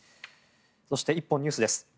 そして１本、ニュースです。